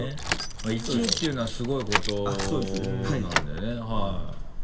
まぁ１位っていうのはすごいことなんでねはい。